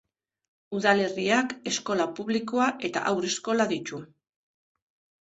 Udalerriak eskola publikoa eta haur-eskola ditu.